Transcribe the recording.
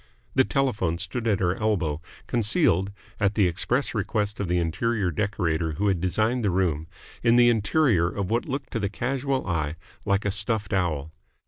The telephone stood at her elbow, concealed at the express request of the interior decorator who had designed the room in the interior of what looked to the casual eye like a stuffed owl.